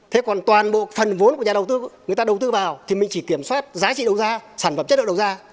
thế còn toàn bộ phần vốn của nhà đầu tư người ta đầu tư vào thì mình chỉ kiểm soát giá trị đầu ra sản phẩm chất lượng đầu ra